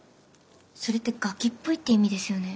それってガキっぽいって意味ですよね。